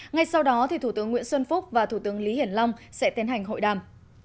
ngay sau đó thủ tướng nguyễn xuân phúc và thủ tướng lý hiển long sẽ tiến hành hội đàm